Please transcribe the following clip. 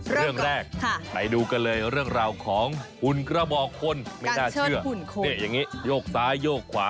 เรื่องแรกไปดูกันเลย